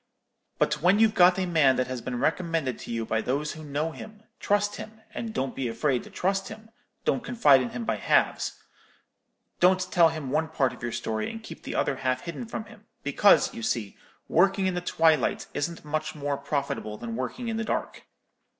But when you've got a man that has been recommended to you by those who know him, trust him, and don't be afraid to trust him, don't confide in him by halves; don't tell him one part of your story, and keep the other half hidden from him; because, you see, working in the twilight isn't much more profitable than working in the dark.